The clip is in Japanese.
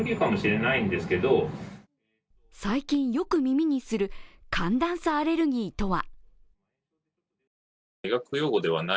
最近、よく耳にする寒暖差アレルギーとは。